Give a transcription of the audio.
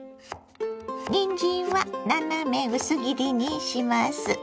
にんじんは斜め薄切りにします。